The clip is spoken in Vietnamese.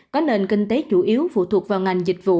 có nền kinh tế chủ yếu phụ thuộc vào ngành dịch vụ